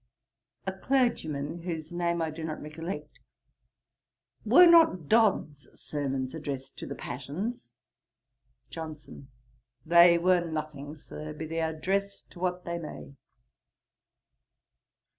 A CLERGYMAN: (whose name I do not recollect.) 'Were not Dodd's sermons addressed to the passions?' JOHNSON. 'They were nothing, Sir, be they addressed to what they may.'